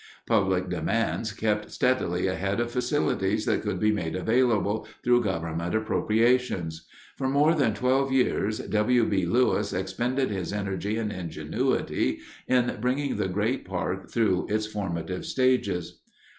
Public demands kept steadily ahead of facilities that could be made available through government appropriations. For more than twelve years W. B. Lewis expended his energy and ingenuity in bringing the great park through its formative stages.